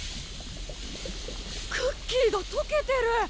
クッキーが溶けてる！